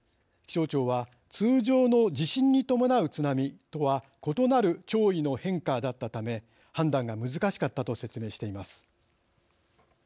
気象庁は通常の地震に伴う津波とは異なる潮位の変化だったため判断が難しかったと説明しています。